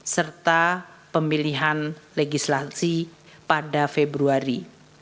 serta pemilihan legislasi pada februari dua ribu dua puluh